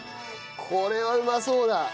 これはうまそうだ！